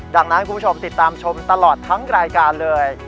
ดังนั้นคุณผู้ชมติดตามชมตลอดทั้งรายการเลย